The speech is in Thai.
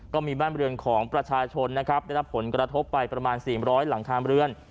ก็มีบ้านบริเวณของประชาชนนะครับได้รับผลกระทบไปประมาณ๔๐๐หลังคาเรือน